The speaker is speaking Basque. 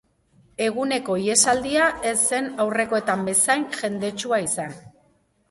Eguneko ihesaldia ez zen aurrekoetan bezain jendetsua izan.